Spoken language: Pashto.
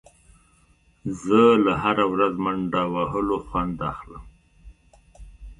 زه له هره ورځ منډه وهل خوند اخلم.